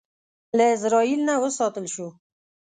له ازرائیل نه وساتل شو.